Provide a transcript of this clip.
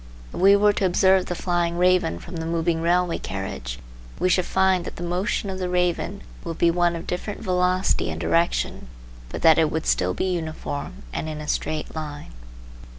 If we were to observe the flying raven from the moving railway carriage. we should find that the motion of the raven would be one of different velocity and direction, but that it would still be uniform and in a straight line.